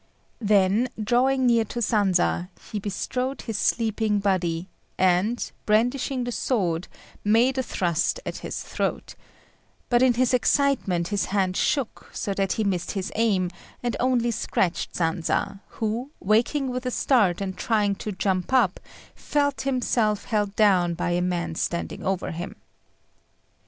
Then, drawing near to Sanza, he bestrode his sleeping body, and, brandishing the sword made a thrust at his throat; but in his excitement his hand shook, so that he missed his aim, and only scratched Sanza, who, waking with a start and trying to jump up, felt himself held down by a man standing over him.